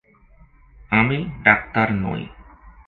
আমি ডাক্তার নই।